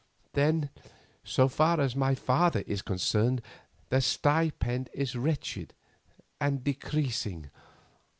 Then, so far as my father is concerned, the stipend is wretched and decreasing.